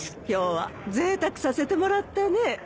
今日はぜいたくさせてもらったね。